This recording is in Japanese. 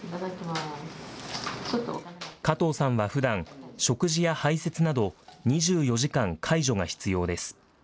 加藤さんはふだん、食事や排せつなど、２４時間介助が必要です。